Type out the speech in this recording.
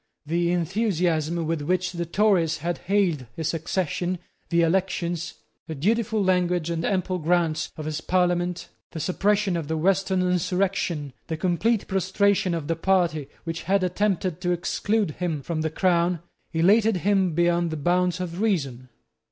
The enthusiasm with which the Tories had hailed his accession, the elections, the dutiful language and ample grants of his Parliament, the suppression of the Western insurrection, the complete prostration of the party which had attempted to exclude him from the crown, elated him beyond the bounds of reason.